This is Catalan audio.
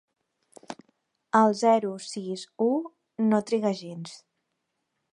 El zero sis u no triga gens.